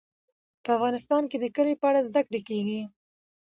افغانستان کې د کلي په اړه زده کړه کېږي.